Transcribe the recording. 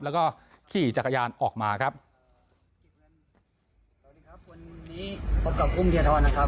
แล้วก็ขี่จักรยานออกมาครับสวัสดีครับวันนี้พบกับอุ้มเทียทรนะครับ